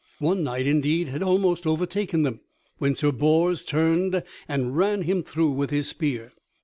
One knight, indeed, had almost overtaken them, when Sir Bors turned and ran him through with his spear.